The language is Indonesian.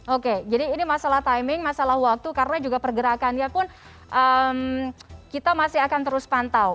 oke jadi ini masalah timing masalah waktu karena juga pergerakannya pun kita masih akan terus pantau